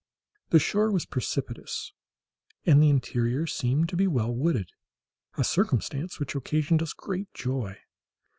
The shore was precipitous, and the interior seemed to be well wooded, a circumstance which occasioned us great joy.